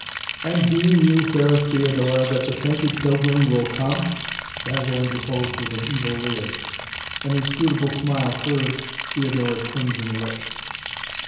"And deem you, fairest Theodora, that the sainted pilgrim will come?" Basil interposed with an evil leer. An inscrutable smile curved Theodora's crimson lips.